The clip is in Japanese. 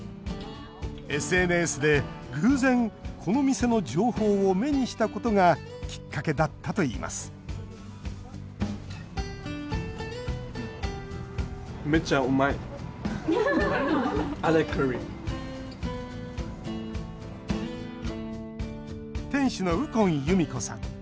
ＳＮＳで偶然この店の情報を目にしたことがきっかけだったといいます店主の右近由美子さん。